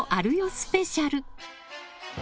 スペシャル。